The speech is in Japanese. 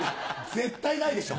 絶対ないでしょ。